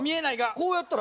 こうやったら。